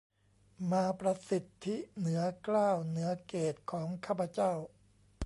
มาประสิทธิเหนือเกล้าเหนือเกศของข้าพเจ้า